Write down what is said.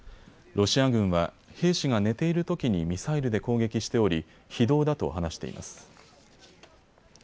ロシア軍は兵士が寝ているときにミサイルで攻撃しており非道だと話しています。